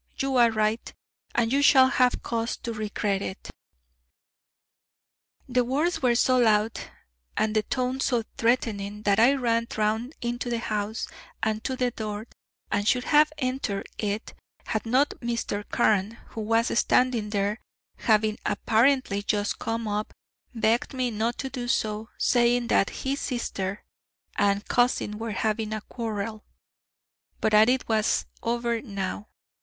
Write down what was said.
You are right, and you shall have cause to regret it.' "The words were so loud and the tone so threatening that I ran round into the house and to the door, and should have entered it had not Mr. Carne, who was standing there, having apparently just come up, begged me not to do so, saying that his sister and cousin were having a quarrel, but that it was over now.